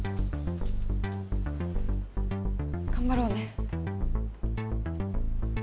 頑張ろうね。